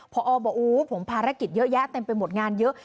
พอบอกโอ้ผมภารกิจเยอะแยะเต็มไปหมดงานเยอะ